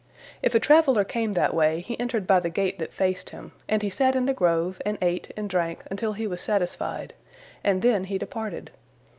If a traveller came that way, he entered by the gate that faced him, and he sat in the grove, and ate, and drank, until he was satisfied, and then he departed.